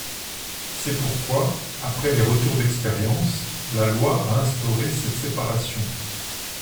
C’est pourquoi, après les retours d’expérience, la loi a instauré cette séparation.